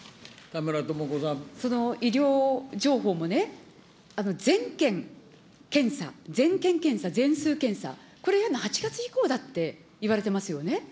その医療情報もね、全県検査、全数検査、これやんの８月以降だっていわれてますよね。